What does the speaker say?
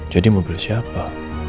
jadi mobil siapa